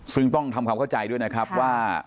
ซึ่งต้องทำความเข้าใจด้วยนะครับว่า